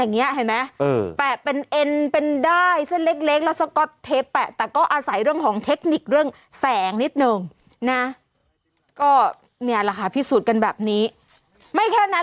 นิดหนึ่งน่าก็เนี่ยแล้วค่ะพิสูจน์กันแบบนี้ไม่แค่นั้น